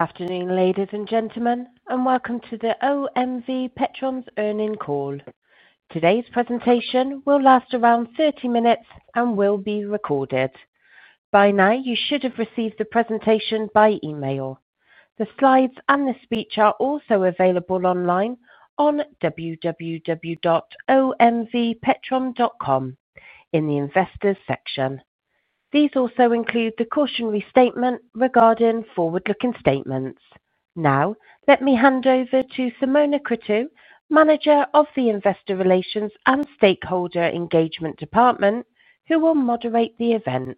Afternoon, ladies and gentlemen, and welcome to the OMV Petrom earnings call. Today's presentation will last around 30 minutes and will be recorded. By now, you should have received the presentation by email. The slides and the speech are also available online on www.omvpetrom.com in the investors' section. These also include the cautionary statement regarding forward-looking statements. Now, let me hand over to Simona Cruțu, Manager of Investor Relations and Stakeholder Engagement, who will moderate the event.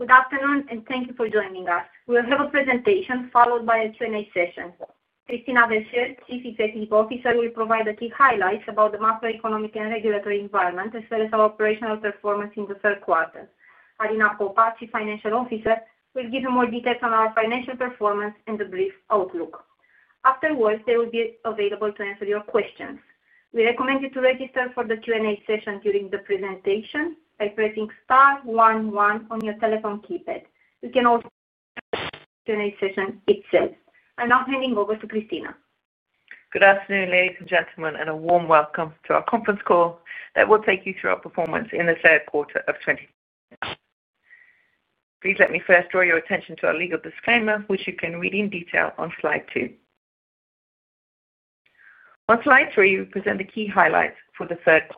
Good afternoon, and thank you for joining us. We'll have a presentation followed by a Q&A session. Christina Verchere, Chief Executive Officer, will provide the key highlights about the macroeconomic and regulatory environment, as well as our operational performance in the third quarter. Alina Popa, Chief Financial Officer, will give you more details on our financial performance and the brief outlook. Afterwards, they will be available to answer your questions. We recommend you to register for the Q&A session during the presentation by pressing star 11 on your telephone keypad. You can also register for the Q&A session itself. I'm now handing over to Christina. Good afternoon, ladies and gentlemen, and a warm welcome to our conference call that will take you through our performance in the third quarter of 2020. Please let me first draw your attention to our legal disclaimer, which you can read in detail on slide two. On slide three, we present the key highlights for the third quarter.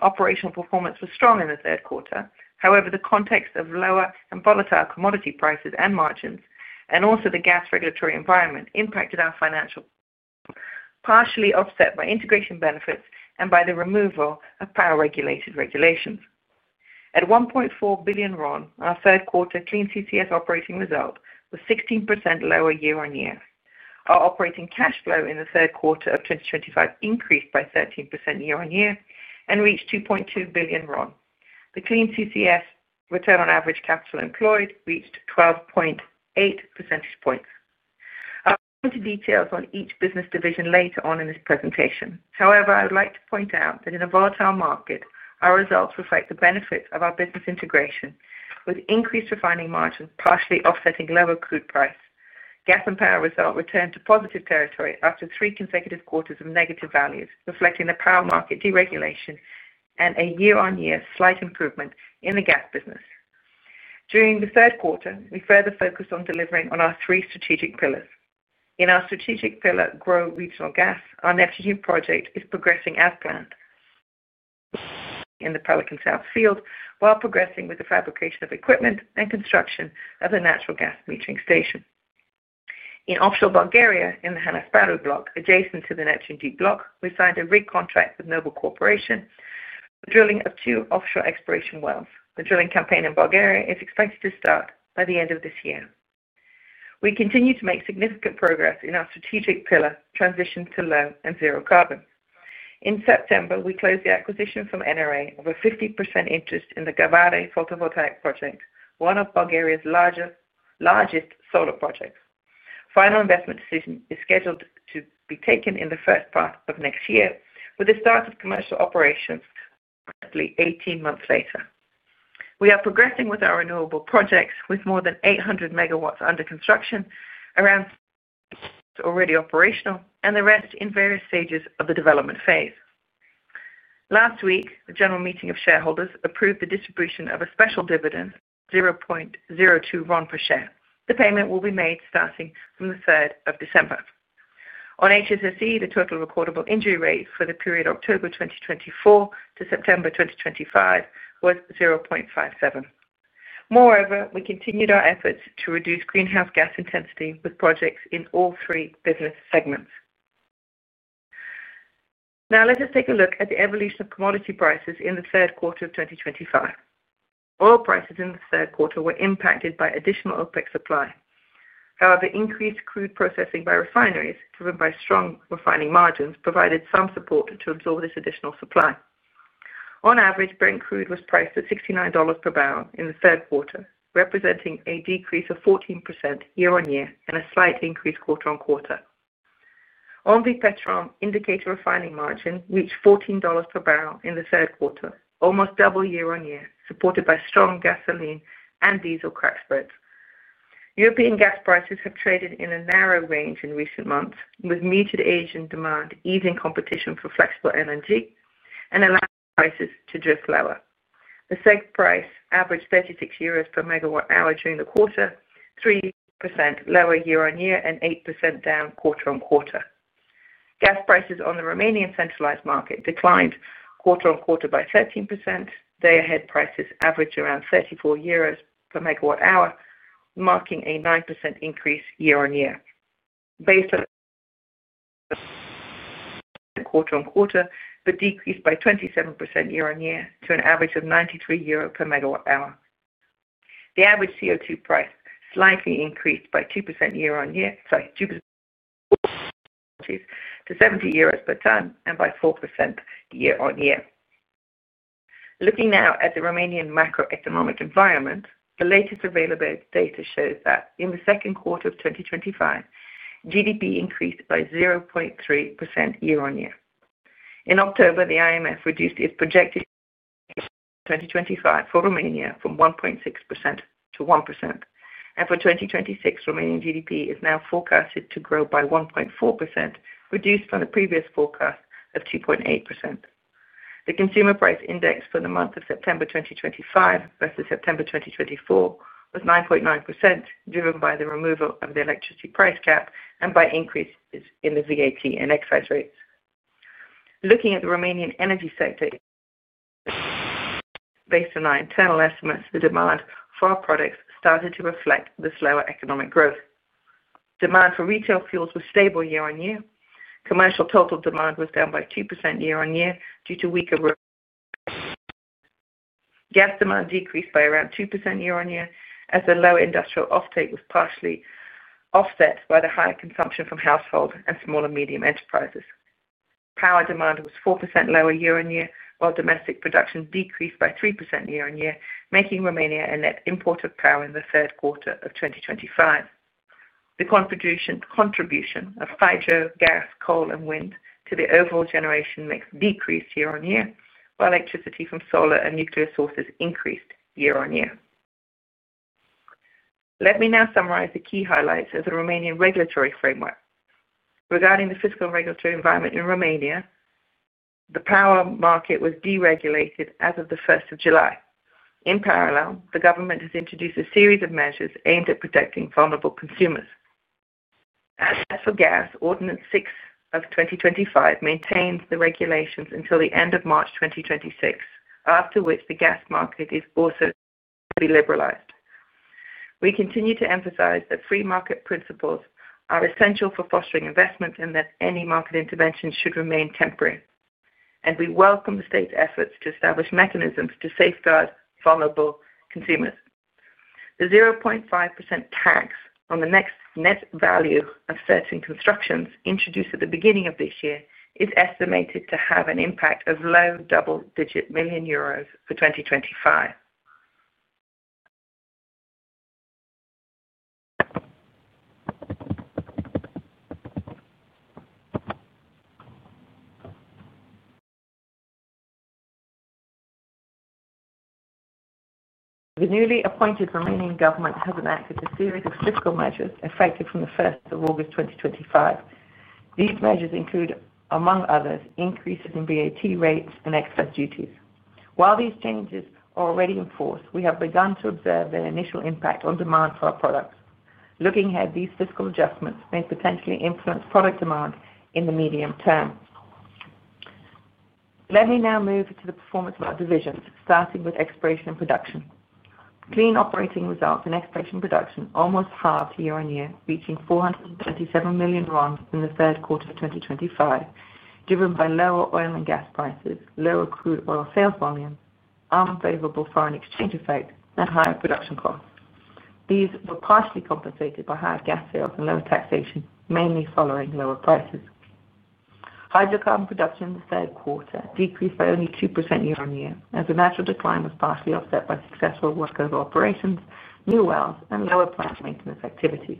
Operational performance was strong in the third quarter. However, the context of lower and volatile commodity prices and margins, and also the gas regulatory environment, impacted our financial performance, partially offset by integration benefits and by the removal of power-regulated regulations. At RON 1.4 billion, our third quarter clean CCS operating result was 16% lower year on year. Our operating cash flow in the third quarter of 2025 increased by 13% year on year and reached RON 2.2 billion. The clean CCS return on average capital employed reached 12.8%. I'll go into details on each business division later on in this presentation. However, I would like to point out that in a volatile market, our results reflect the benefits of our business integration, with increased refining margins partially offsetting lower crude price. Gas and power result returned to positive territory after three consecutive quarters of negative values, reflecting the power market deregulation and a year-on-year slight improvement in the gas business. During the third quarter, we further focused on delivering on our three strategic pillars. In our strategic pillar Grow Regional Gas, our Neptun Deep project is progressing as planned in the Pelican South field while progressing with the fabrication of equipment and construction of the natural gas metering station. In offshore Bulgaria, in the Han Asparuh Block, adjacent to the Neptun Deep Block, we signed a rig contract with Noble Corporation for drilling of two offshore exploration wells. The drilling campaign in Bulgaria is expected to start by the end of this year. We continue to make significant progress in our strategic pillar transition to low and zero carbon. In September, we closed the acquisition from NRA of a 50% interest in the Gabare Photovoltaic Project, one of Bulgaria's largest solar projects. Final investment decision is scheduled to be taken in the first part of next year, with the start of commercial operations approximately 18 months later. We are progressing with our renewable projects with more than 800 MW under construction, around 300 already operational, and the rest in various stages of the development phase. Last week, the general meeting of shareholders approved the distribution of a special dividend of RON 0.02 per share. The payment will be made starting from the 3rd of December. On HSSE, the total recordable injury rate for the period October 2024 to September 2025 was 0.57. Moreover, we continued our efforts to reduce greenhouse gas intensity with projects in all three business segments. Now, let us take a look at the evolution of commodity prices in the third quarter of 2025. Oil prices in the third quarter were impacted by additional OPEC supply. However, increased crude processing by refineries, driven by strong refining margins, provided some support to absorb this additional supply. On average, Brent oil price was $69 per barrel in the third quarter, representing a decrease of 14% year on year and a slight increase quarter on quarter. OMV Petrom indicator refining margin reached $14 per barrel in the third quarter, almost double year on year, supported by strong gasoline and diesel crack spreads. European gas prices have traded in a narrow range in recent months, with muted Asian demand easing competition for flexible LNG and allowing prices to drift lower. The SEG price averaged 36 euros per megawatt-hour during the quarter, 3% lower year on year and 8% down quarter on quarter. Gas prices on the Romanian centralized market declined quarter on quarter by 13%. Day ahead prices averaged around 34 euros per megawatt-hour, marking a 9% increase year on year. Based on the quarter on quarter, the decrease by 27% year on year to an average of 93 euro per megawatt-hour. The average CO2 price slightly increased by 2% year on year to 70 euros per tonne and by 4% year on year. Looking now at the Romanian macroeconomic environment, the latest available data shows that in the second quarter of 2025, GDP increased by 0.3% year on year. In October, the IMF reduced its projected GDP for 2025 for Romania from 1.6% to 1%. For 2026, Romanian GDP is now forecasted to grow by 1.4%, reduced from the previous forecast of 2.8%. The consumer price index for the month of September 2025 versus September 2024 was 9.9%, driven by the removal of the electricity price cap and by increases in the VAT and excise rates. Looking at the Romanian energy sector, based on our internal estimates, the demand for our products started to reflect the slower economic growth. Demand for retail fuels was stable year on year. Commercial total demand was down by 2% year on year due to weaker gas demand, decreased by around 2% year on year, as the low industrial offtake was partially offset by the higher consumption from household and small and medium enterprises. Power demand was 4% lower year on year, while domestic production decreased by 3% year on year, making Romania a net importer of power in the third quarter of 2025. The contribution of hydrogen, gas, coal, and wind to the overall generation mix decreased year on year, while electricity from solar and nuclear sources increased year on year. Let me now summarize the key highlights of the Romanian regulatory framework. Regarding the fiscal and regulatory environment in Romania, the power market was deregulated as of the 1st of July. In parallel, the government has introduced a series of measures aimed at protecting vulnerable consumers. As for gas, Ordinance 6 of 2025 maintains the regulations until the end of March 2026, after which the gas market is also to be liberalized. We continue to emphasize that free market principles are essential for fostering investment and that any market intervention should remain temporary. We welcome the state's efforts to establish mechanisms to safeguard vulnerable consumers. The 0.5% tax on the net value of certain constructions introduced at the beginning of this year is estimated to have an impact of low double-digit million euros for 2025. The newly appointed Romanian government has enacted a series of fiscal measures effective from the 1st of August 2025. These measures include, among others, increases in VAT rates and excess duties. While these changes are already in force, we have begun to observe their initial impact on demand for our products. Looking ahead, these fiscal adjustments may potentially influence product demand in the medium term. Let me now move to the performance of our divisions, starting with exploration and production. Clean operating results in exploration and production are almost halved year on year, reaching RON 437 million in the third quarter of 2025, driven by lower oil and gas prices, lower crude oil sales volumes, unfavorable foreign exchange effects, and higher production costs. These were partially compensated by higher gas sales and lower taxation, mainly following lower prices. Hydrocarbon production in the third quarter decreased by only 2% year on year, as the natural decline was partially offset by successful workover operations, new wells, and lower plant maintenance activities.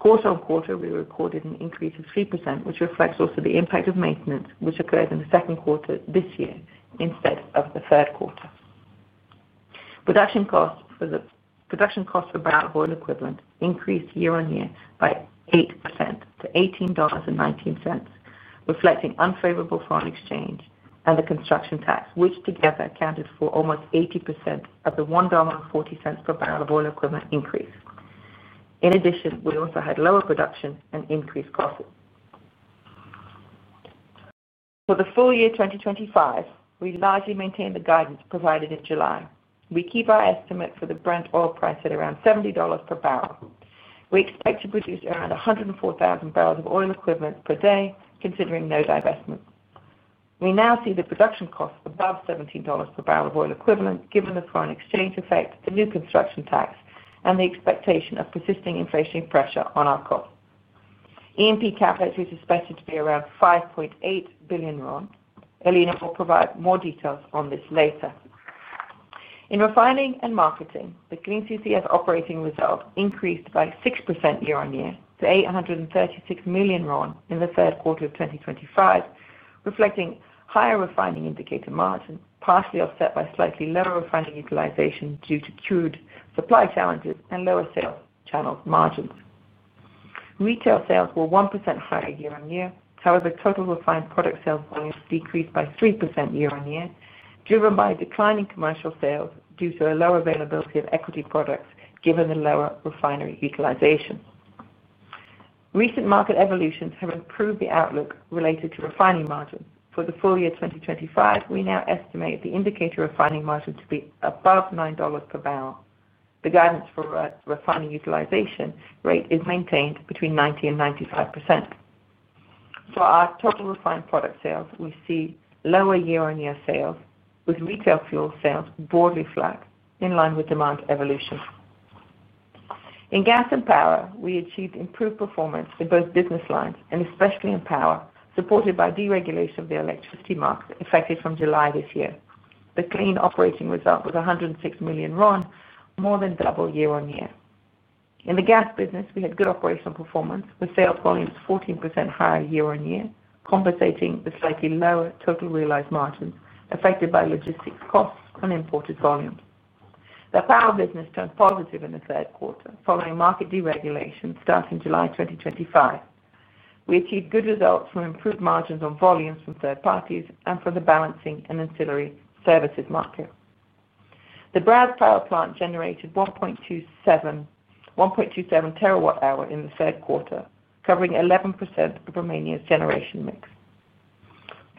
Quarter on quarter, we recorded an increase of 3%, which reflects also the impact of maintenance, which occurred in the second quarter this year instead of the third quarter. Production costs per barrel of oil equivalent increased year on year by 8% to $18.19, reflecting unfavorable foreign exchange and the construction tax, which together accounted for almost 80% of the $1.40 per barrel of oil equivalent increase. In addition, we also had lower production and increased costs. For the full year 2025, we largely maintained the guidance provided in July. We keep our estimate for the Brent oil price at around $70 per barrel. We expect to produce around 104,000 boe per day, considering no divestment. We now see the production costs above $17 per barrel of oil equivalent, given the foreign exchange effect, the new construction tax, and the expectation of persisting inflationary pressure on our costs. E&P CAPEX is expected to be around RON 5.8 billion. Alina will provide more details on this later. In refining and marketing, the clean CCS operating result increased by 6% year on year to RON 836 million in the third quarter of 2025, reflecting higher refining indicator margins, partially offset by slightly lower refining utilization due to crude supply challenges and lower sales channels margins. Retail sales were 1% higher year on year. However, total refined product sales volumes decreased by 3% year on year, driven by declining commercial sales due to a lower availability of equity products, given the lower refinery utilization. Recent market evolutions have improved the outlook related to refining margins. For the full year 2025, we now estimate the indicator refining margin to be above $9 per barrel. The guidance for refining utilization rate is maintained between 90% and 95%. For our total refined product sales, we see lower year-on-year sales, with retail fuel sales broadly flat, in line with demand evolution. In gas and power, we achieved improved performance in both business lines and especially in power, supported by deregulation of the electricity market effective from July this year. The clean CCS operating result was RON 106 million, more than double year on year. In the gas business, we had good operational performance, with sales volumes 14% higher year on year, compensating the slightly lower total realized margins affected by logistics costs and imported volumes. The power business turned positive in the third quarter following market deregulation starting July 2025. We achieved good results from improved margins on volumes from third parties and from the balancing and ancillary services market. The Brazi power plant generated 1.27 TW-hours in the third quarter, covering 11% of Romania's generation mix.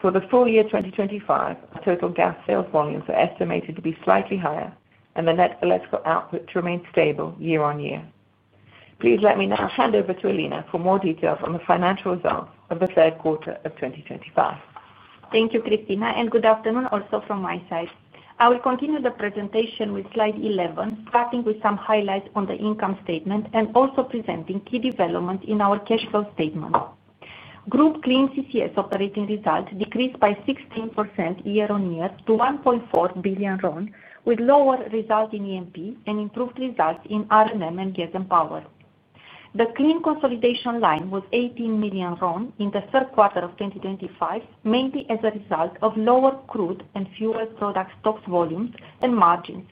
For the full year 2025, total gas sales volumes are estimated to be slightly higher and the net electrical output to remain stable year on year. Please let me now hand over to Alina Popa for more details on the financial results of the third quarter of 2025. Thank you, Christina, and good afternoon also from my side. I will continue the presentation with slide 11, starting with some highlights on the income statement and also presenting key developments in our cash flow statement. Group clean CCS operating result decreased by 16% year on year to RON 1.4 billion, with lower result in E&P and improved result in R&M and gas and power. The clean consolidation line was RON 18 million in the third quarter of 2025, mainly as a result of lower crude and fuel products stocks volumes and margins,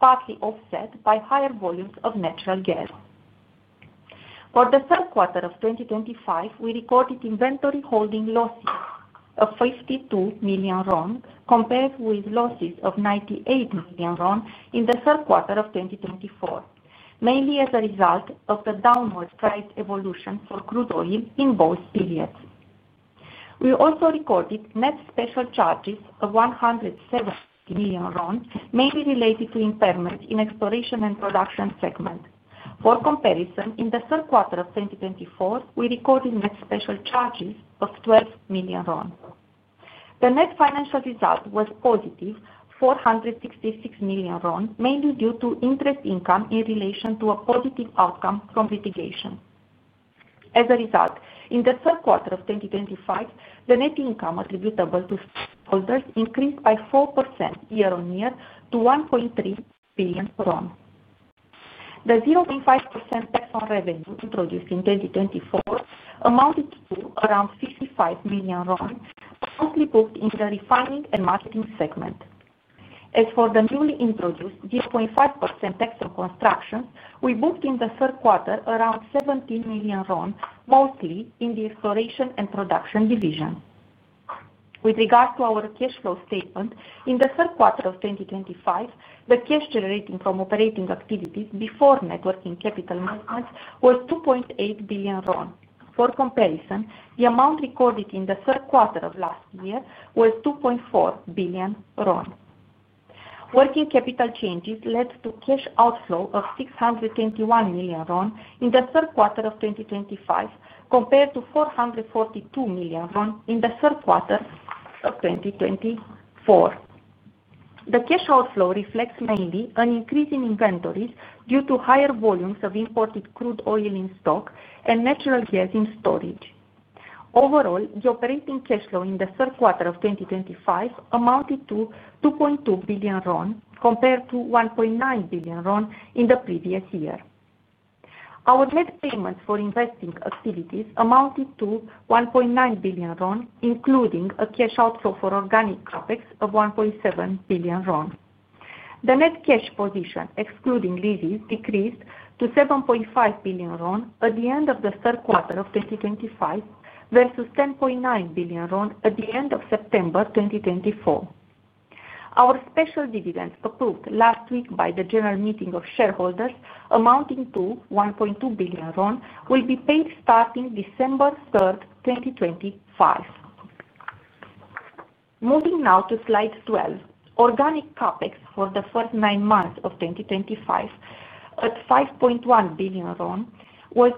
partly offset by higher volumes of natural gas. For the third quarter of 2025, we recorded inventory holding losses of RON 52 million, compared with losses of RON 98 million in the third quarter of 2024, mainly as a result of the downward price evolution for crude oil in both periods. We also recorded net special charges of RON 170 million, mainly related to impairments in exploration and production segment. For comparison, in the third quarter of 2024, we recorded net special charges of RON 12 million. The net financial result was RON +466 million, mainly due to interest income in relation to a positive outcome from litigation. As a result, in the third quarter of 2025, the net income attributable to holders increased by 4% year on year to RON 1.3 billion. The 0.5% tax on revenue introduced in 2024 amounted to around RON 55 million, mostly booked in the refining and marketing segment. As for the newly introduced 0.5% tax on constructions, we booked in the third quarter around RON 17 million, mostly in the exploration and production division. With regards to our cash flow statement, in the third quarter of 2025, the cash generated from operating activities before net working capital movements was RON 2.8 billion. For comparison, the amount recorded in the third quarter of last year was RON 2.4 billion. Working capital changes led to cash outflow of RON 621 million in the third quarter of 2025, compared to RON 442 million in the third quarter of 2024. The cash outflow reflects mainly an increase in inventories due to higher volumes of imported crude oil in stock and natural gas in storage. Overall, the operating cash flow in the third quarter of 2025 amounted to RON 2.2 billion, compared to RON 1.9 billion in the previous year. Our net payments for investing activities amounted to RON 1.9 billion, including a cash outflow for organic CAPEX of RON 1.7 billion. The net cash position, excluding leases, decreased to RON 7.5 billion at the end of the third quarter of 2025 versus RON 10.9 billion at the end of September 2024. Our special dividends approved last week by the general meeting of shareholders, amounting to RON 1.2 billion, will be paid starting December 3, 2025. Moving now to slide 12, organic CAPEX for the first nine months of 2025 at RON 5.1 billion was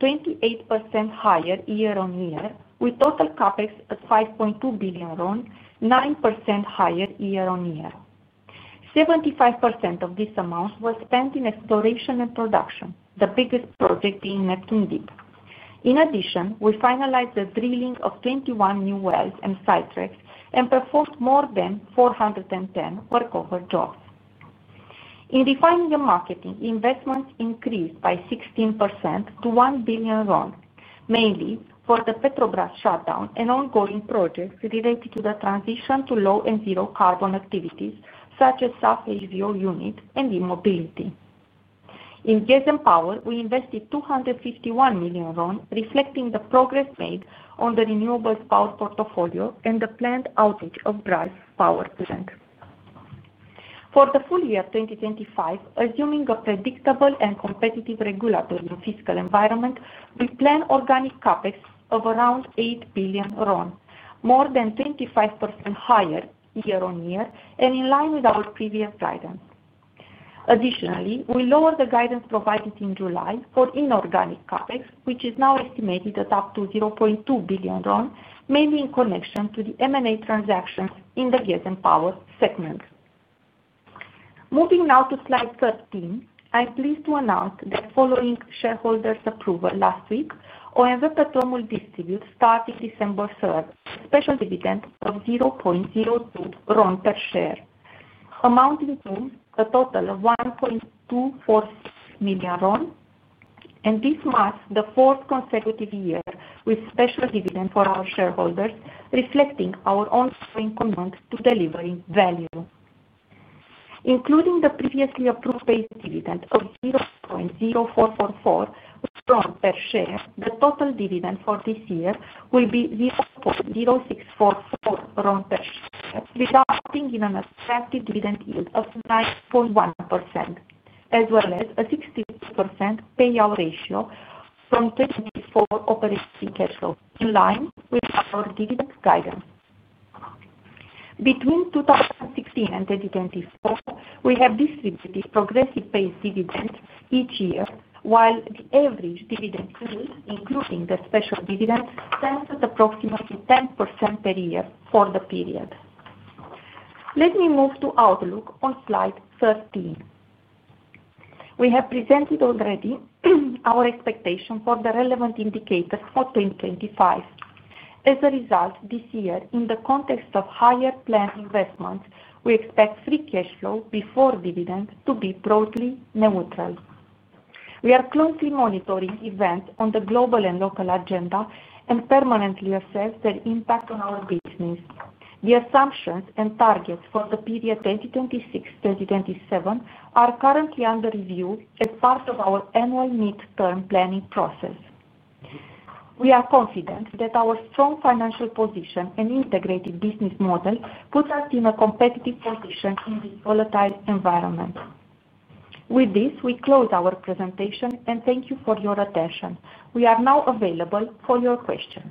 28% higher year on year, with total CAPEX at RON 5.2 billion, 9% higher year on year. 75% of this amount was spent in exploration and production, the biggest project in Neptun Deep. In addition, we finalized the drilling of 21 new wells and site tracks and performed more than 410 workover jobs. In refining and marketing, investments increased by 16% to RON 1 billion, mainly for the Petrobras shutdown and ongoing projects related to the transition to low and zero carbon activities, such as South HVO unit and e-mobility. In gas and power, we invested RON 251 million, reflecting the progress made on the renewable power portfolio and the planned outage of Brazi power plant. For the full year 2025, assuming a predictable and competitive regulatory and fiscal environment, we plan organic CAPEX of around RON 8 billion, more than 25% higher year on year and in line with our previous guidance. Additionally, we lowered the guidance provided in July for inorganic CAPEX, which is now estimated at up to RON 0.2 billion, mainly in connection to the M&A transactions in the gas and power segment. Moving now to slide 13, I'm pleased to announce that following shareholders' approval last week, OMV Petrom will distribute, starting December 3rd, special dividends of RON 0.02 per share, amounting to a total of RON 1.24 billion. This marks the fourth consecutive year with special dividends for our shareholders, reflecting our ongoing commitment to delivering value. Including the previously approved base dividend of RON 0.0444 per share, the total dividend for this year will be RON 0.0644 per share, resulting in an attractive dividend yield of 9.1%, as well as a 62% payout ratio from 2024 operating cash flow, in line with our dividend guidance. Between 2016 and 2024, we have distributed progressive base dividends each year, while the average dividend yield, including the special dividends, stands at approximately 10% per year for the period. Let me move to outlook on slide 13. We have presented already our expectation for the relevant indicators for 2025. As a result, this year, in the context of higher planned investments, we expect free cash flow before dividends to be broadly neutral. We are closely monitoring events on the global and local agenda and permanently assess their impact on our business. The assumptions and targets for the period 2026-2027 are currently under review as part of our annual mid-term planning process. We are confident that our strong financial position and integrated business model put our team in a competitive position in this volatile environment. With this, we close our presentation and thank you for your attention. We are now available for your questions.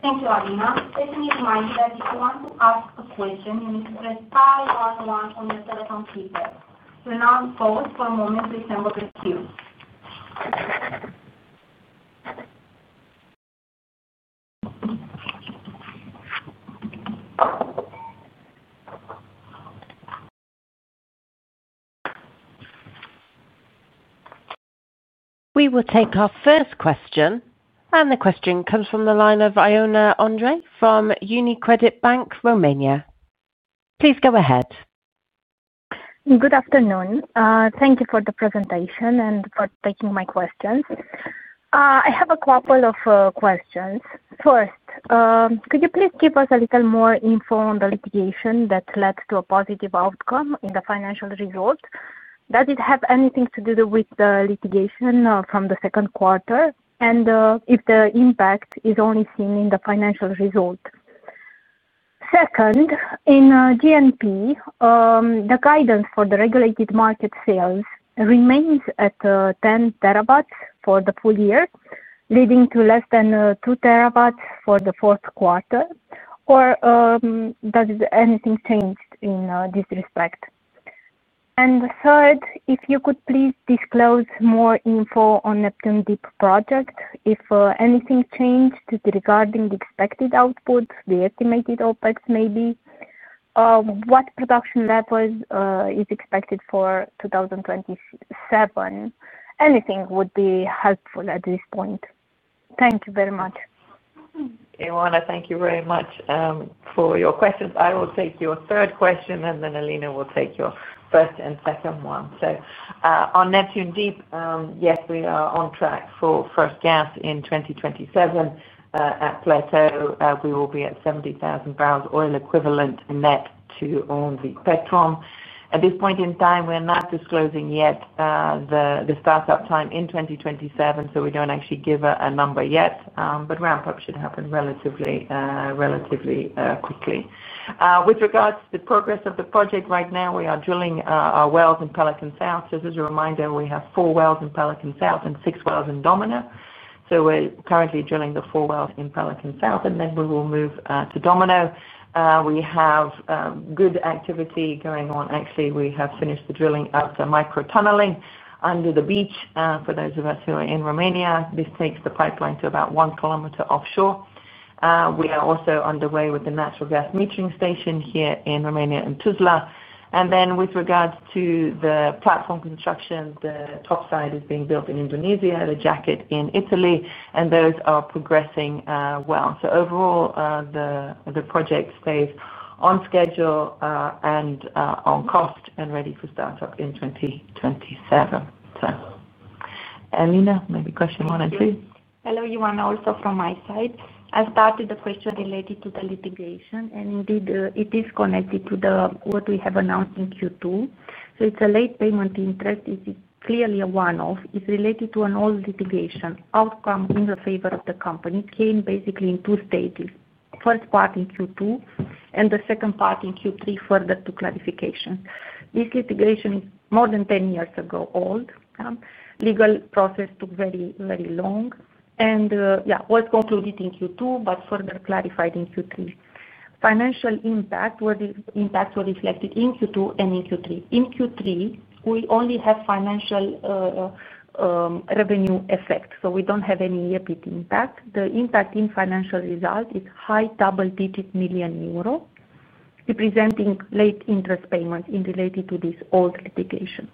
Thank you, Alina. Let me remind you that if you want to ask a question, you need to press star 11 on your telephone keypad. We're now on pause for a moment to assemble the queue. We will take our first question, and the question comes from the line of Ioana Andrei from UniCredit Bank Romania. Please go ahead. Good afternoon. Thank you for the presentation and for taking my questions. I have a couple of questions. First, could you please give us a little more info on the litigation that led to a positive outcome in the financial result? Does it have anything to do with the litigation from the second quarter? If the impact is only seen in the financial result? Second, in G&P, the guidance for the regulated market sales remains at 10 TW for the full year, leading to less than 2 TW for the fourth quarter, or does anything change in this respect? Third, if you could please disclose more info on the Neptun Deep project, if anything changed regarding the expected output, the estimated OPEX maybe, what production levels are expected for 2027, anything would be helpful at this point. Thank you very much. Ioana, thank you very much for your questions. I will take your third question, and then Alina will take your first and second one. On Neptun Deep, yes, we are on track for first gas in 2027 at plateau. We will be at 70,000 bbl oil equivalent net to OMV Petrom. At this point in time, we're not disclosing yet the startup time in 2027, so we don't actually give a number yet, but ramp-up should happen relatively quickly. With regards to the progress of the project right now, we are drilling our wells in Pelican South. As a reminder, we have four wells in Pelican South and six wells in Domino. We're currently drilling the four wells in Pelican South, and then we will move to Domino. We have good activity going on. We have finished the drilling of the micro-tunneling under the beach. For those of us who are in Romania, this takes the pipeline to about 1 km offshore. We are also underway with the natural gas metering station here in Romania and Tuzla. With regards to the platform construction, the top side is being built in Indonesia, the jacket in Italy, and those are progressing well. Overall, the project stays on schedule and on cost and ready for startup in 2027. Alina, maybe question one and two. Hello, Ioana also from my side. I started the question related to the litigation, and indeed, it is connected to what we have announced in Q2. It is a late payment interest. It is clearly a one-off. It is related to an old litigation outcome in favor of the company, came basically in two stages, first part in Q2 and the second part in Q3, further to clarification. This litigation is more than 10 years old. The legal process took very, very long and was concluded in Q2, but further clarified in Q3. Financial impacts were reflected in Q2 and in Q3. In Q3, we only have financial revenue effects, so we do not have any E&P impact. The impact in financial result is high double-digit million euros, representing late interest payments related to this old litigation.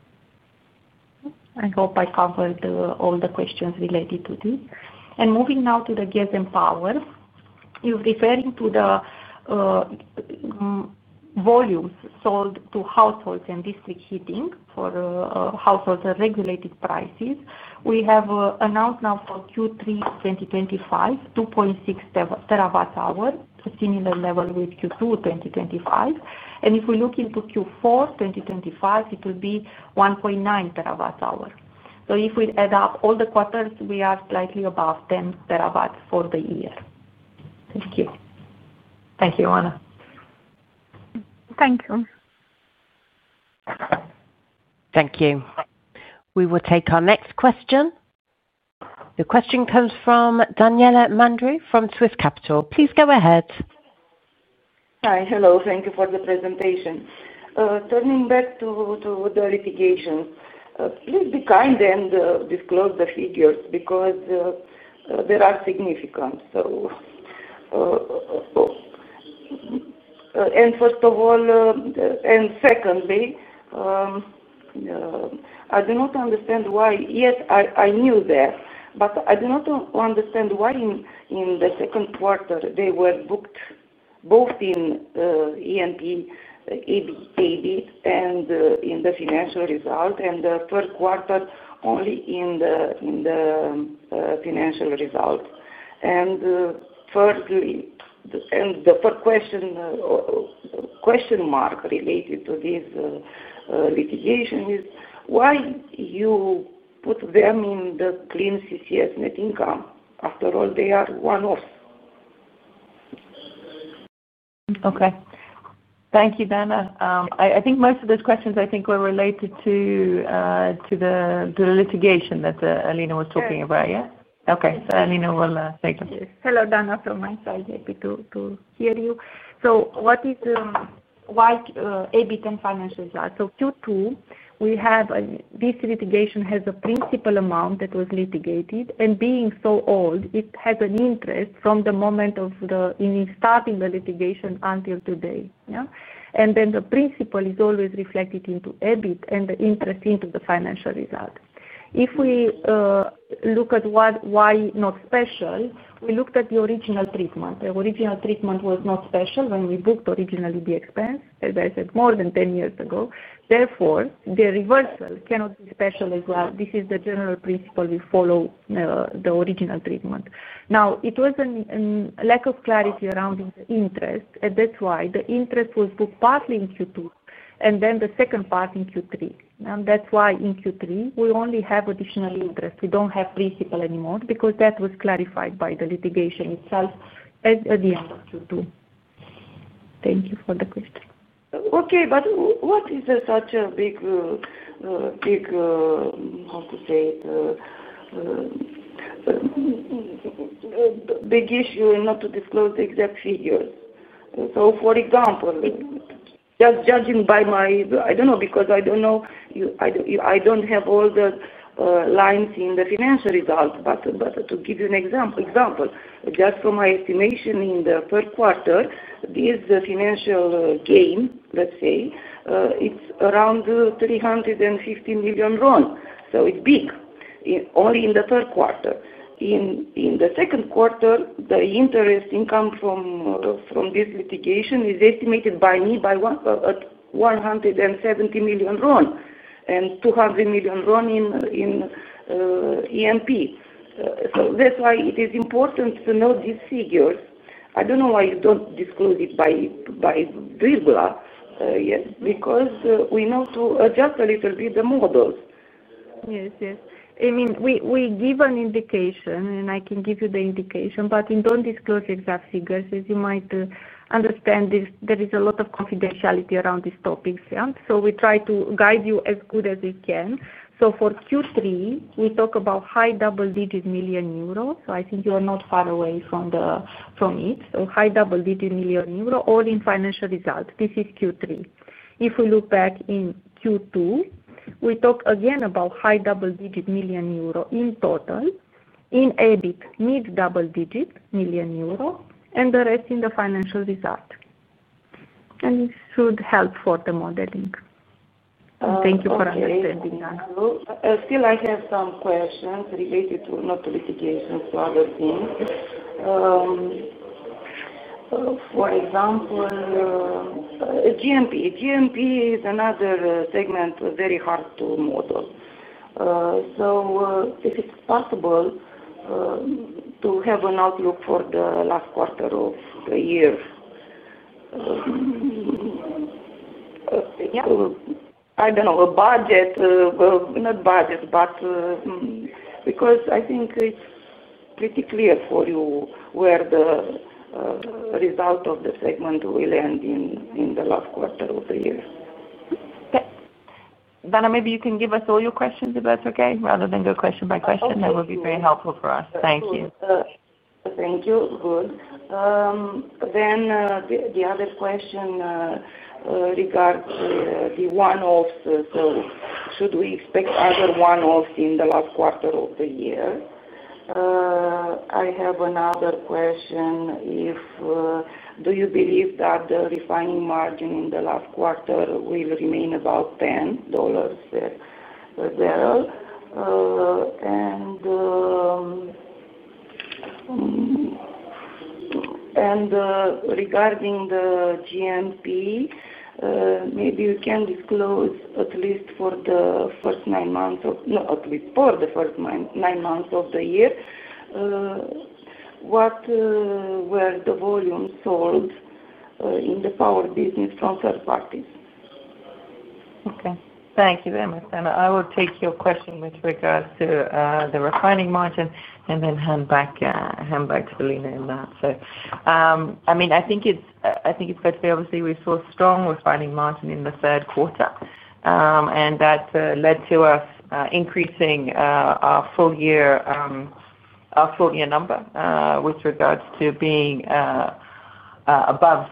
I hope I covered all the questions related to this. Moving now to the gas and power, you are referring to the volumes sold to households and district heating for households and regulated prices. We have announced now for Q3 2025, 2.6 TW hours, a similar level with Q2 2025. If we look into Q4 2025, it will be 1.9 TW hours. If we add up all the quarters, we are slightly above 10 terawatt-hours for the year. Thank you. Thank you, Ioana. Thank you. Thank you. We will take our next question. The question comes from Daniela Mandru from Swiss Capital. Please go ahead. Hi, hello. Thank you for the presentation. Turning back to the litigation, please be kind and disclose the figures because they are significant. First of all, I do not understand why. Yes, I knew that, but I do not understand why in the second quarter they were booked both in E&P, EBIT, and in the financial result, and the third quarter only in the financial result. The first question mark related to this litigation is why you put them in the clean CCS net income? After all, they are one-offs. Okay. Thank you, Dana. I think most of those questions were related to the litigation that Alina was talking about, yeah? Yes. Okay, Alina will take them. Hello, Dana from my side. Happy to hear you. What is, why EBIT and financial result? Q2, we have this litigation has a principal amount that was litigated, and being so old, it has an interest from the moment of the starting the litigation until today, yeah? The principal is always reflected into EBIT and the interest into the financial result. If we look at why not special, we looked at the original treatment. The original treatment was not special when we booked originally the expense, as I said, more than 10 years ago. Therefore, the reversal cannot be special as well. This is the general principle we follow, the original treatment. It was a lack of clarity around the interest, and that's why the interest was booked partly in Q2 and then the second part in Q3. That's why in Q3, we only have additional interest. We don't have principal anymore because that was clarified by the litigation itself at the end of Q2. Thank you for the question. Okay, but what is such a big issue not to disclose the exact figures? For example, just judging by my, I don't know, because I don't know, I don't have all the lines in the financial results. To give you an example, just for my estimation in the third quarter, this financial gain, let's say, it's around RON 350 million. It's big only in the third quarter. In the second quarter, the interest income from this litigation is estimated by me at RON 170 million and RON 200 million in E&P. That's why it is important to know these figures. I don't know why you don't disclose it by triple A, yes, because we know to adjust a little bit the models. Yes, yes. I mean, we give an indication, and I can give you the indication, but we don't disclose the exact figures. As you might understand, there is a lot of confidentiality around these topics, yeah? We try to guide you as good as we can. For Q3, we talk about high double-digit million euros. I think you are not far away from it. High double-digit million euros all in financial result. This is Q3. If we look back in Q2, we talk again about high double-digit million euros in total, in EBIT, mid-double-digit million euros, and the rest in the financial result. This should help for the modeling. Thank you for understanding, Dana. Still, I have some questions related to, not to litigation, to other things. For example, G&P. G&P is another segment very hard to model. If it's possible to have an outlook for the last quarter of the year, I don't know, a budget, not budget, but because I think it's pretty clear for you where the result of the segment will end in the last quarter of the year. Dana, maybe you can give us all your questions if that's okay, rather than go question by question. That would be very helpful for us. Thank you. Thank you. The other question regards the one-offs. Should we expect other one-offs in the last quarter of the year? I have another question. Do you believe that the refining margin in the last quarter will remain about $10 per barrel? Regarding the G&P, maybe you can disclose at least for the first nine months of the year, what were the volumes sold in the power business from third parties? Okay. Thank you very much, Dana. I will take your question with regards to the refining margin and then hand back to Alina on that. I think it's good to be, obviously we saw a strong refining margin in the third quarter, and that led to us increasing our full-year number with regards to being above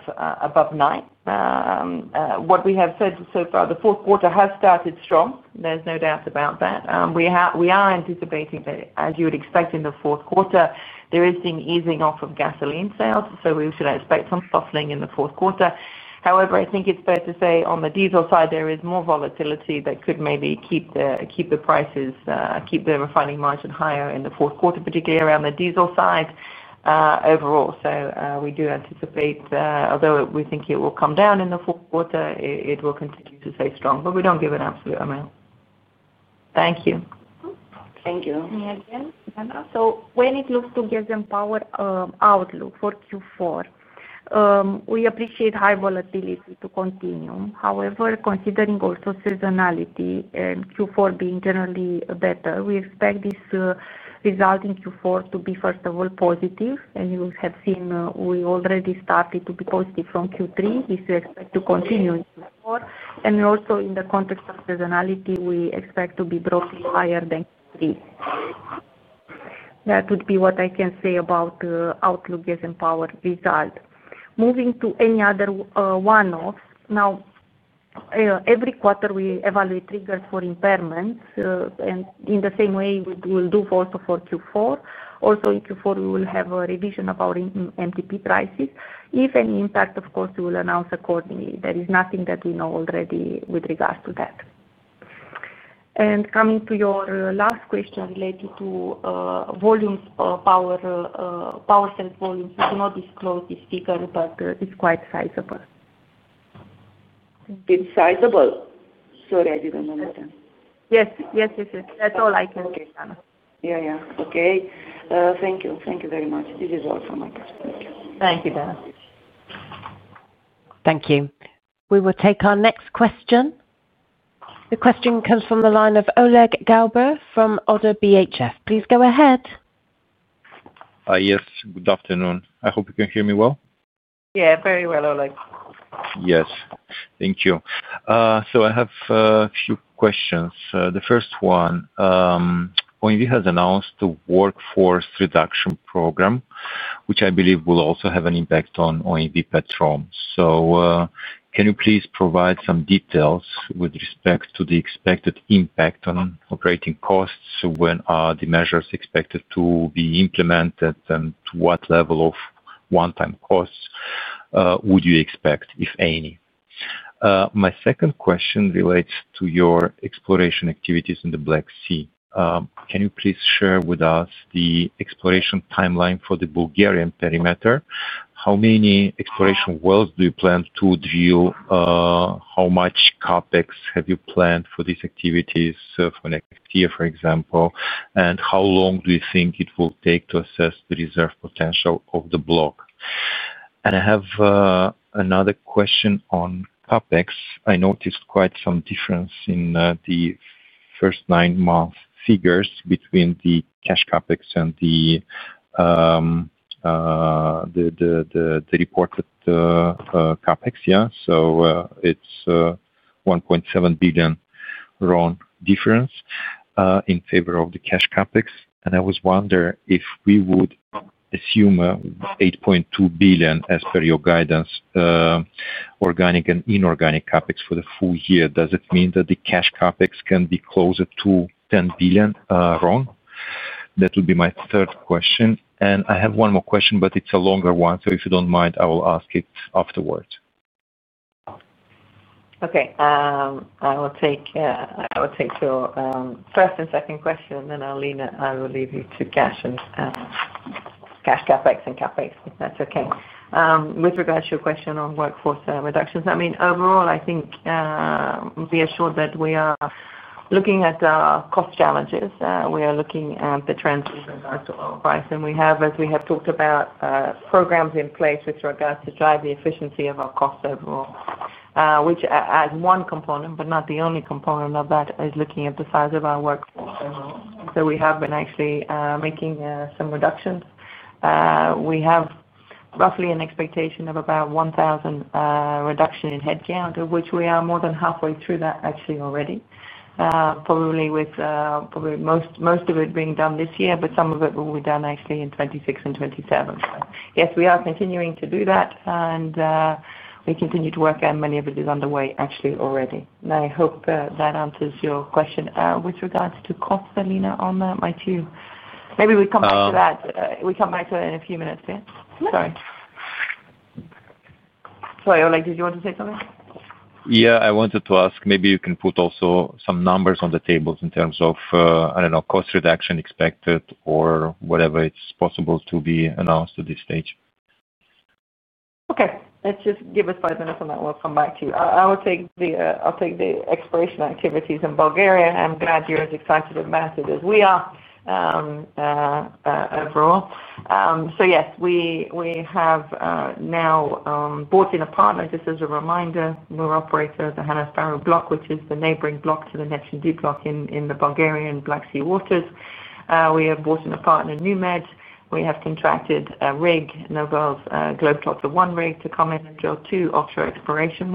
nine. What we have said so far, the fourth quarter has started strong. There's no doubt about that. We are anticipating that, as you would expect in the fourth quarter, there is some easing off of gasoline sales, so we should expect some softening in the fourth quarter. However, I think it's fair to say on the diesel side, there is more volatility that could maybe keep the prices, keep the refining margin higher in the fourth quarter, particularly around the diesel side, overall. We do anticipate, although we think it will come down in the fourth quarter, it will continue to stay strong, but we don't give an absolute amount. Thank you. Thank you. Me again, Dana. When it looks to gas and power outlook for Q4, we appreciate high volatility to continue. However, considering also seasonality and Q4 being generally better, we expect this result in Q4 to be, first of all, positive. You have seen we already started to be positive from Q3. We expect to continue in Q4. Also, in the context of seasonality, we expect to be broadly higher than Q3. That would be what I can say about the outlook gas and power result. Moving to any other one-offs, every quarter, we evaluate triggers for impairments. In the same way, we will do also for Q4. Also, in Q4, we will have a revision of our MTP prices. If any impact, of course, we will announce accordingly. There is nothing that we know already with regards to that. Coming to your last question related to volumes, power sales volumes, we do not disclose this figure, but it's quite sizable. It's sizable. I didn't remember that. Yes, yes, yes. That's all I can, Dana. Thank you. Thank you very much. This is all from my part. Thank you. Thank you, Dana. Thank you. We will take our next question. The question comes from the line of Oleg Galbur from ODDO BHF. Please go ahead. Yes. Good afternoon. I hope you can hear me well. Yeah, very well, Oleg. Yes. Thank you. I have a few questions. The first one, OMV has announced a workforce reduction program, which I believe will also have an impact on OMV Petrom. Can you please provide some details with respect to the expected impact on operating costs? When are the measures expected to be implemented and to what level of one-time costs would you expect, if any? My second question relates to your exploration activities in the Black Sea. Can you please share with us the exploration timeline for the Bulgarian perimeter? How many exploration wells do you plan to drill? How much CAPEX have you planned for these activities for next year, for example? How long do you think it will take to assess the reserve potential of the block? I have another question on CAPEX. I noticed quite some difference in the first nine-month figures between the cash CAPEX and the reported CAPEX, yeah? It's RON 1.7 billion difference in favor of the cash CAPEX. I was wondering if we would assume RON 8.2 billion, as per your guidance, organic and inorganic CAPEX for the full year. Does it mean that the cash CAPEX can be closer to RON 10 billion? That would be my third question. I have one more question, but it's a longer one. If you don't mind, I will ask it afterwards. Okay. I will take your first and second question, and then, Alina, I will leave you to cash and cash CapEx and CapEx, if that's okay. With regards to your question on workforce reductions, I mean, overall, I think be assured that we are looking at our cost challenges. We are looking at the trends with regards to our price. We have, as we have talked about, programs in place with regards to drive the efficiency of our costs overall, which adds one component, but not the only component of that, is looking at the size of our workforce overall. We have been actually making some reductions. We have roughly an expectation of about 1,000 reductions in headcount, of which we are more than halfway through that already, probably with most of it being done this year, but some of it will be done actually in 2026 and 2027. Yes, we are continuing to do that, and we continue to work, and many of it is underway already. I hope that answers your question with regards to costs, Alina, on my two. Maybe we come back to that in a few minutes, yeah? Sorry. Sorry, Oleg, did you want to say something? I wanted to ask, maybe you can put also some numbers on the tables in terms of, I don't know, cost reduction expected or whatever it's possible to be announced at this stage. Okay. Let's just give us five minutes, and then we'll come back to you. I will take the exploration activities in Bulgaria. I'm glad you're as excited about it as we are overall. Yes, we have now brought in a partner. Just as a reminder, we're operating the Han Asparuh Block, which is the neighboring block to the Neptun Deep project in the Bulgarian Black Sea waters. We have brought in a partner, NewMed. We have contracted a rig, Noble Globetrotter 1 rig, to come in and drill two offshore exploration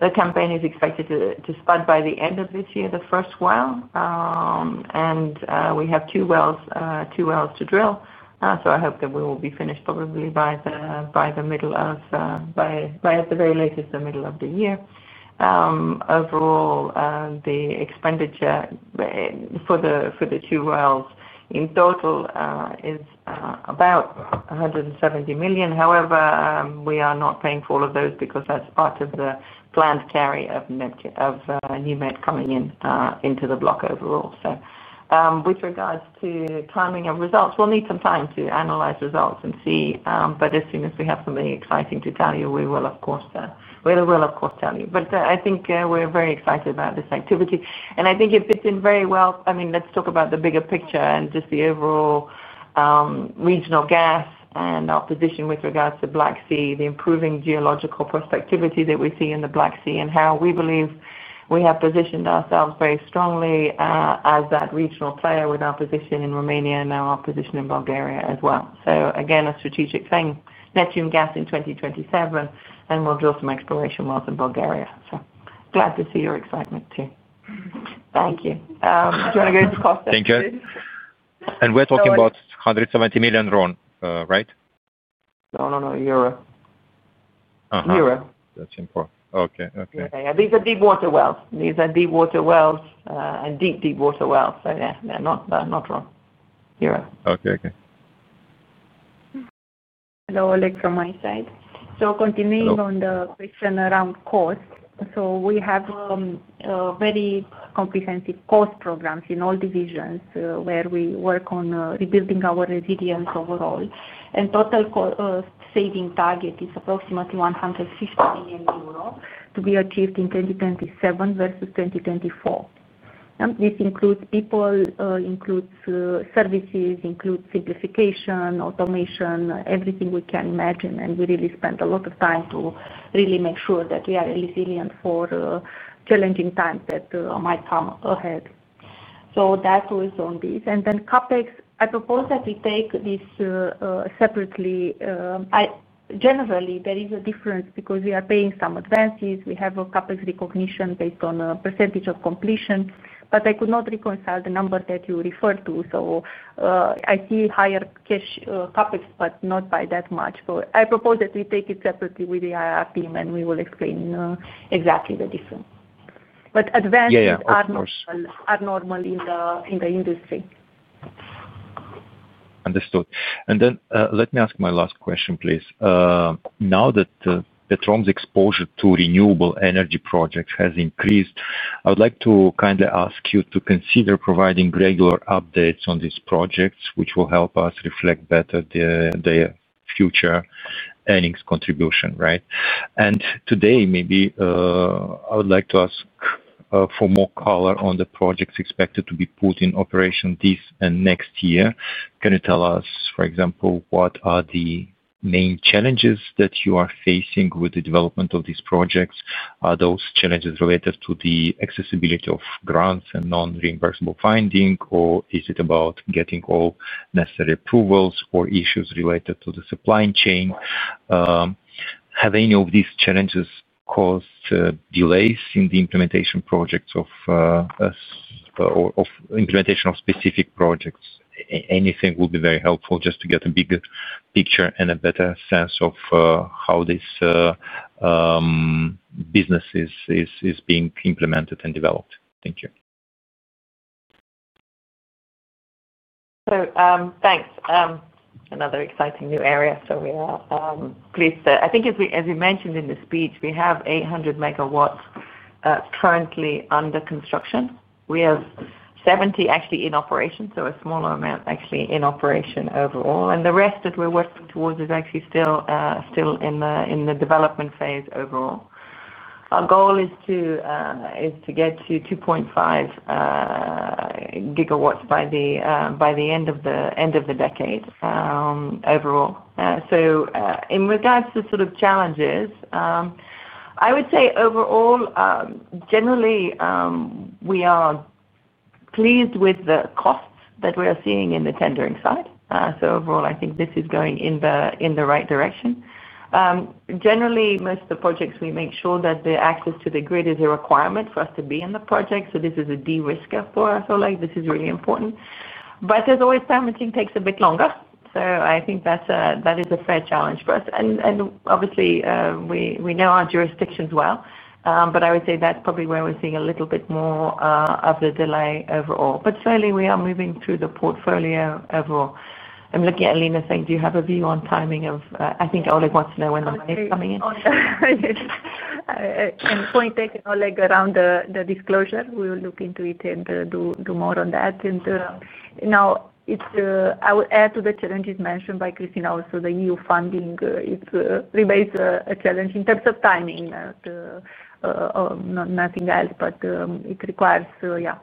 wells. The campaign is expected to spud by the end of this year, the first well. We have two wells to drill. I hope that we will be finished probably by the middle of, at the very latest, the middle of the year. Overall, the expenditure for the two wells in total is about 170 million. However, we are not paying for all of those because that's part of the planned carry of NewMed coming into the block overall. With regards to the timing of results, we'll need some time to analyze results and see, but as soon as we have something exciting to tell you, we will, of course, tell you. I think we're very excited about this activity. I think it fits in very well. Let's talk about the bigger picture and just the overall regional gas and our position with regards to the Black Sea, the improving geological prospectivity that we see in the Black Sea, and how we believe we have positioned ourselves very strongly as that regional player with our position in Romania and now our position in Bulgaria as well. Again, a strategic thing, Neptun Gas in 2027, and we'll drill some exploration wells in Bulgaria. Glad to see your excitement too. Thank you. Do you want to go to the cost section? Thank you. We're talking about RON 170 million, right? No, euro. Euro. That's important. Okay, okay. Okay. These are deep water wells. These are deep water wells and deep, deep water wells. They're not RON, euro. Okay, okay. Hello, Oleg from my side. Continuing on the question around cost, we have very comprehensive cost programs in all divisions where we work on rebuilding our resilience overall. The total cost saving target is approximately 150 million euros to be achieved in 2027 versus 2024. This includes people, includes services, includes simplification, automation, everything we can imagine. We really spend a lot of time to really make sure that we are resilient for challenging times that might come ahead. That was on this. Regarding CAPEX, I propose that we take this separately. Generally, there is a difference because we are paying some advances. We have a CAPEX recognition based on a percentage of completion. I could not reconcile the number that you referred to. I see higher cash CAPEX, but not by that much. I propose that we take it separately with the IR team, and we will explain exactly the difference. Advances are normal in the industry. Understood. Let me ask my last question, please. Now that Petrom's exposure to renewable energy projects has increased, I would like to kindly ask you to consider providing regular updates on these projects, which will help us reflect better the future earnings contribution, right? Today, maybe I would like to ask for more color on the projects expected to be put in operation this and next year. Can you tell us, for example, what are the main challenges that you are facing with the development of these projects? Are those challenges related to the accessibility of grants and non-reimbursable funding, or is it about getting all necessary approvals or issues related to the supply chain? Have any of these challenges caused delays in the implementation of specific projects? Anything would be very helpful just to get a bigger picture and a better sense of how this business is being implemented and developed. Thank you. Thank you. Another exciting new area. We are pleased to... as we mentioned in the speech, we have 800 MW currently under construction. We have 70 actually in operation, so a smaller amount actually in operation overall. The rest that we're working towards is actually still in the development phase overall. Our goal is to get to 2.5 GW by the end of the decade overall. In regards to sort of challenges, I would say overall, generally, we are pleased with the costs that we are seeing in the tendering side. Overall, I think this is going in the right direction. Generally, most of the projects, we make sure that the access to the grid is a requirement for us to be in the project. This is a de-risker for us, Oleg. This is really important. There is always time when things take a bit longer. I think that is a fair challenge for us. Obviously, we know our jurisdictions well. I would say that's probably where we're seeing a little bit more of the delay overall. Certainly, we are moving through the portfolio overall. I'm looking at Alina saying, do you have a view on timing of... I think Oleg wants to know when the money is coming in. Yes. Point taken, Oleg, around the disclosure, we will look into it and do more on that. I would add to the challenges mentioned by Christina also that your funding is really a challenge in terms of timing, nothing else, but it requires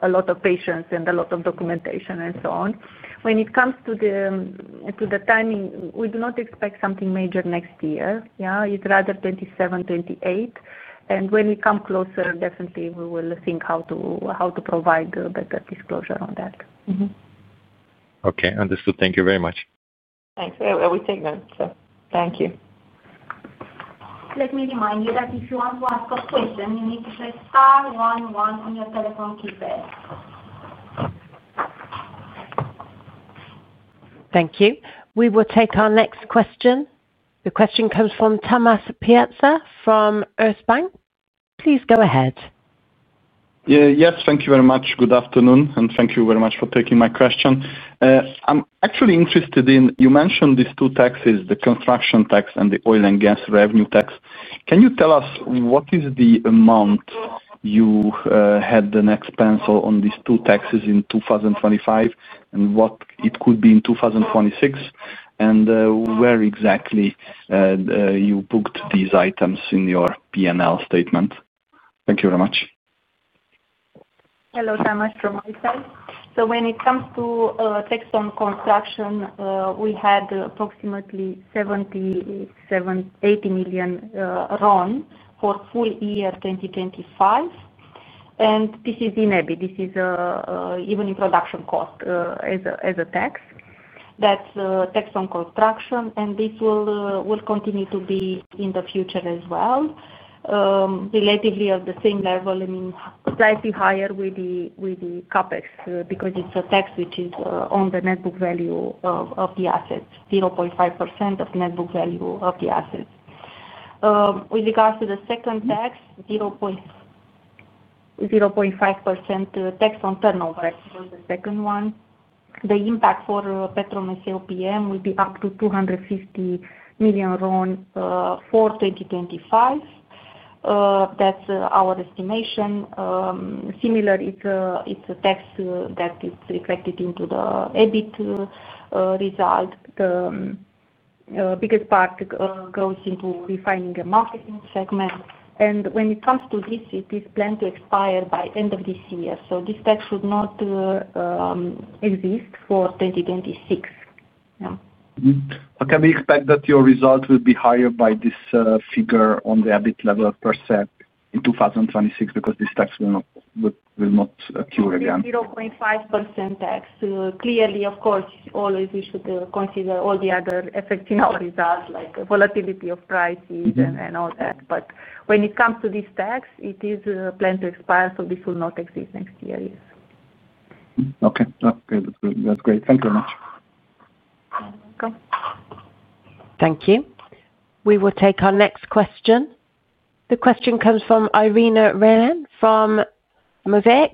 a lot of patience and a lot of documentation and so on. When it comes to the timing, we do not expect something major next year. It is rather 2027, 2028. When we come closer, definitely, we will think how to provide a better disclosure on that. Okay. Understood. Thank you very much. Thanks. Thank you. Let me remind you that if you want to ask a question, you need to press star 11 on your telephone keypad. Thank you. We will take our next question. The question comes from Tamas Pletser from Erste Bank. Please go ahead. Yes. Thank you very much. Good afternoon, and thank you very much for taking my question. I'm actually interested in... You mentioned these two taxes, the construction tax and the oil and gas revenue tax. Can you tell us what is the amount you had an expense on these two taxes in 2025 and what it could be in 2026? Where exactly do you book these items in your P&L statement? Thank you very much. Hello, Tamas, from my side. When it comes to tax on construction, we had approximately RON 70 million, RON 80 million for full year 2025. This is in EBIT. This is even in production cost as a tax. That's tax on construction. This will continue to be in the future as well, relatively at the same level, I mean, slightly higher with the CAPEX because it's a tax which is on the net book value of the assets, 0.5% of net book value of the assets. With regards to the second tax, 0.5% tax on turnover, I suppose, the second one, the impact for OMV Petrom SLPM will be up to RON 250 million for 2025. That's our estimation. Similar, it's a tax that is reflected into the EBIT result. The biggest part goes into refining and marketing segment. When it comes to this, it is planned to expire by the end of this year. This tax should not exist for 2026. Yeah. Can we expect that your result will be higher by this figure on the EBIT level per se in 2026 because this tax will not accrue again? 0.5% tax. Clearly, of course, always we should consider all the other effects in our results, like volatility of prices and all that. When it comes to this tax, it is planned to expire, so this will not exist next year, yes. Okay, that's good. That's great. Thank you very much. You're welcome. Thank you. We will take our next question. The question comes from Irina Renan from MovEq.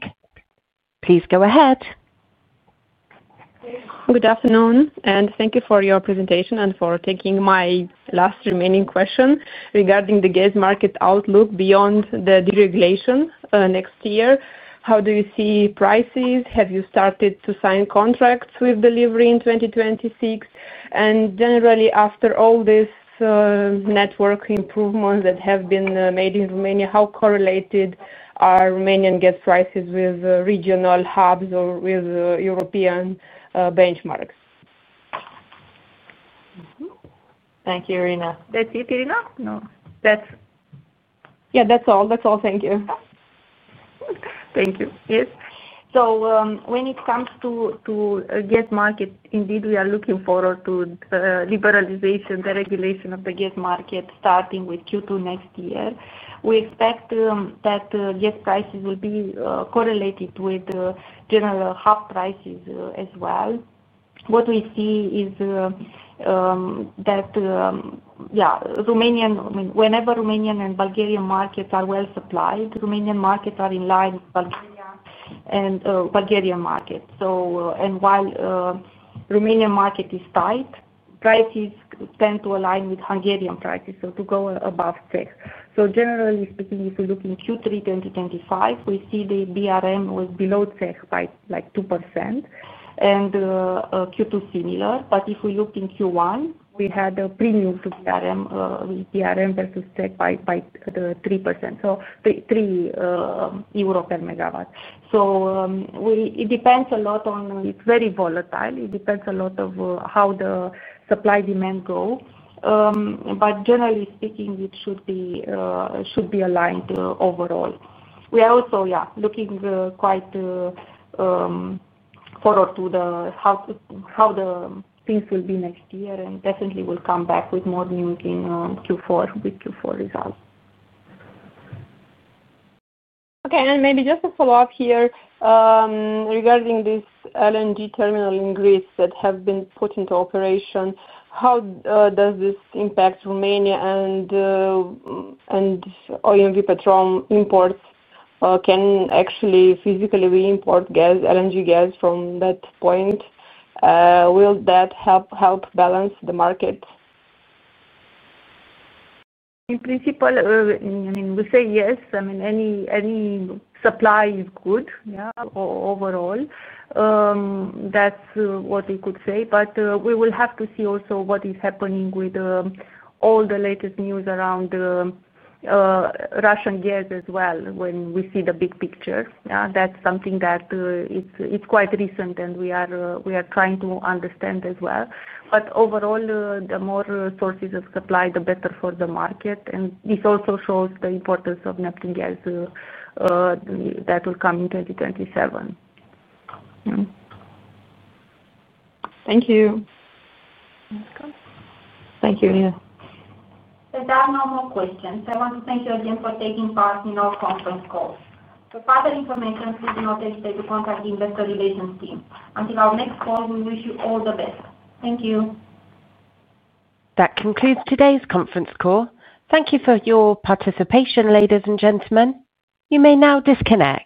Please go ahead. Good afternoon, and thank you for your presentation and for taking my last remaining question regarding the gas market outlook beyond the deregulation next year. How do you see prices? Have you started to sign contracts with delivery in 2026? Generally, after all this network improvements that have been made in Romania, how correlated are Romanian gas prices with regional hubs or with European benchmarks? Thank you, Irina. That's it, Irina? No. That's it. That's all. Thank you. Thank you. Yes. When it comes to gas market, indeed, we are looking forward to liberalization, the regulation of the gas market, starting with Q2 next year. We expect that gas prices will be correlated with general hub prices as well. What we see is that Romanian, I mean, whenever Romanian and Bulgarian markets are well supplied, Romanian markets are in line with Bulgaria and Bulgarian markets. While the Romanian market is tight, prices tend to align with Hungarian prices, to go above CEH. Generally speaking, if we look in Q3 2025, we see the BRM was below CEH by 2%. Q2 is similar. If we looked in Q1, we had a premium to BRM versus CEH by 3%, so three euros per megawatt. It depends a lot on, it's very volatile. It depends a lot on how the supply-demand goes. Generally speaking, it should be aligned overall. We are also looking quite forward to how the things will be next year and definitely will come back with more news in Q4 with Q4 results. Okay. Maybe just to follow up here, regarding this LNG terminal in Greece that has been put into operation, how does this impact Romania and OMV Petrom imports? Can we actually physically import LNG gas from that point? Will that help balance the market? In principle, we say yes. Any supply is good, overall. That's what we could say. We will have to see also what is happening with all the latest news around Russian gas as well when we see the big picture. That's something that is quite recent and we are trying to understand as well. Overall, the more sources of supply, the better for the market. This also shows the importance of Neptun Deep project that will come in 2027. Thank you. Welcome. Thank you, Alina. There are no more questions. I want to thank you again for taking part in our conference calls. For further information, please do not hesitate to contact the investor relations team. Until our next call, we wish you all the best. Thank you. That concludes today's conference call. Thank you for your participation, ladies and gentlemen. You may now disconnect.